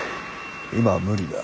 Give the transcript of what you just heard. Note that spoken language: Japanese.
今は無理だ。